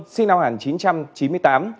sinh năm một nghìn chín trăm chín mươi tám